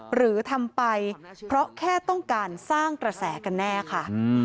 หรือทำไปเพราะแค่ต้องการสร้างกระแสกันแน่ค่ะ